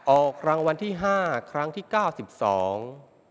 ออกรางวัลที่ห้าครั้งที่เก้าสิบสอง